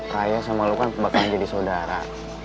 raya sama lu kan bakalan jadi saudara